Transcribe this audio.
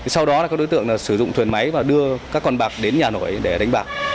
sau đó là các đối tượng sử dụng thuyền máy và đưa các con bạc đến nhà nổi để đánh bạc